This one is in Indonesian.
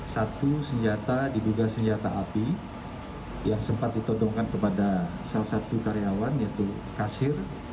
satu senjata diduga senjata api yang sempat ditodongkan kepada salah satu karyawan yaitu kasir